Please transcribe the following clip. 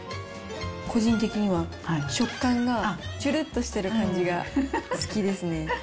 個人的には食感が、ちゅるっとしてる感じが好きですね。